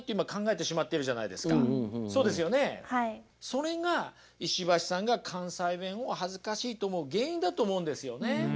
それが石橋さんが関西弁を恥ずかしいと思う原因だと思うんですよね。